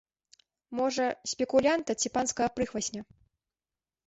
Можа, спекулянта ці панскага прыхвасня.